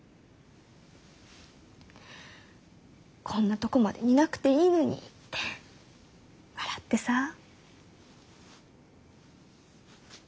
「こんなとこまで似なくていいのに！」って笑ってさ。